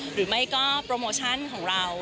หรือไม่ก็โปรโมชั่นของเรา